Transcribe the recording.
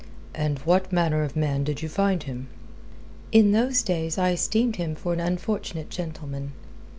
"And what manner of man did you find him?" "In those days I esteemed him for an unfortunate gentleman."